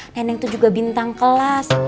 neneng itu juga bintang kelas